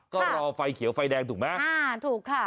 ก็รอไฟเขียวไฟแดงถูกไหมอ่าถูกค่ะ